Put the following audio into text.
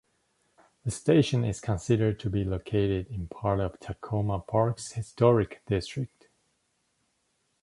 The station is considered to be located in part of Takoma Park's Historic District.